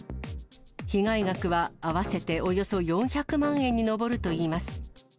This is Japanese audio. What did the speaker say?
被害額は合わせておよそ４００万円に上るといいます。